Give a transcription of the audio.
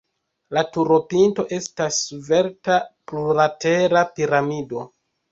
La turopinto estas svelta plurlatera piramido.